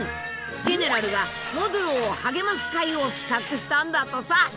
ジェネラルがモドゥローを励ます会を企画したんだとさ。